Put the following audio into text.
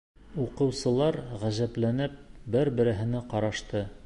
Уҡыусылар, ғәжәпләнеп, бер-береһенә ҡарашты.